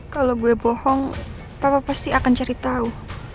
kalau gue bohong papa pasti akan cari tahu